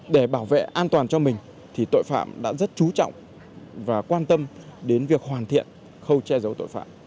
để bảo vệ an toàn cho mình thì tội phạm đã rất trú trọng và quan tâm đến việc hoàn thiện khâu che giấu tội phạm